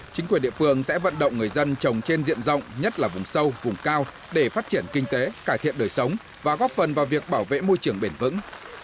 chính quyền địa phương sẽ vận động người dân trồng trên diện rộng nhất là vùng sâu vùng cao để phát triển kinh tế cải thiện đời sống và góp phần vào việc bảo vệ môi trường bền vững